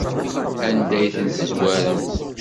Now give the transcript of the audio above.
Anda ay ten-tezwarem?